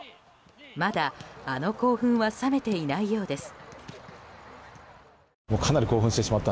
まだ、あの興奮は冷めていないようです。